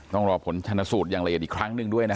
ต้องรอผลชนสูตรอย่างละเอียดอีกครั้งหนึ่งด้วยนะ